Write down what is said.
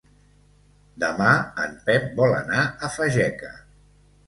Demà en Pep vol anar a Fageca.